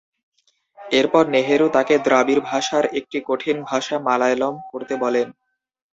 এরপর নেহেরু তাঁকে দ্রাবিড় ভাষার একটি কঠিন ভাষা মালয়ালম পড়তে বলেন।